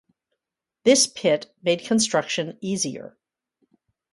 This pit made construction easier.